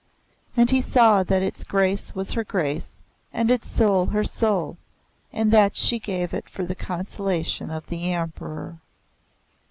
And he saw that its grace was her grace, and its soul her soul, and that she gave it for the consolation of the Emperor.